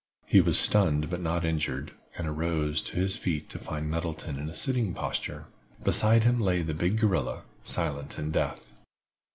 He was stunned but not injured, and arose to his feet to find Nettleton in a sitting posture. Beside him lay the big guerrilla, silent in death.